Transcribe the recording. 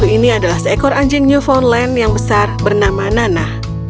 ini adalah seekor anjing newfoundland yang besar bernama nana